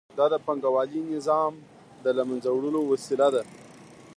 دا د پانګوالي نظام د له منځه وړلو وسیله ده